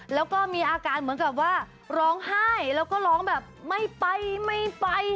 แล้วก็มีอาการเหมือนกับว่าร้องไห้แล้วก็ร้องแบบไม่ไปไม่ไป